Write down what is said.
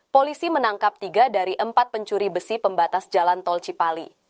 polisi menangkap tiga dari empat pencuri besi pembatas jalan tol cipali